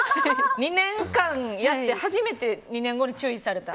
２年間やって初めて２年後に注意された？